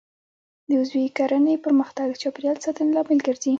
د عضوي کرنې پرمختګ د چاپیریال د ساتنې لامل ګرځي.